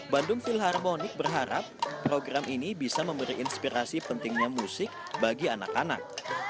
bandung philharmonic berharap program ini bisa memberi inspirasi pentingnya musik bagi anak anak